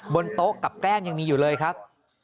บนโต๊ะกับแกล้งยังมีอยู่เลยครับ